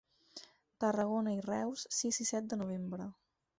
Tarragona i Reus, sis i set de novembre.